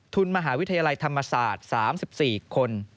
มหาวิทยาลัยธรรมศาสตร์๓๔คน